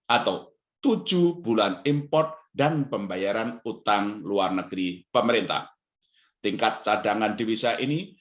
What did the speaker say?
atau tujuh bulan import dan pembayaran utang luar negeri pemerintah tingkat cadangan divisa ini